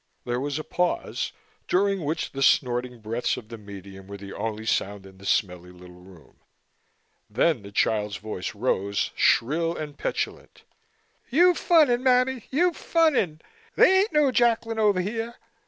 There was a pause, during which the snorting breaths of the medium were the only sound in the smelly little room. Then the child's voice rose, shrill and petulant. "You funning, mammy, you funning. They ain't no Jacklin over here.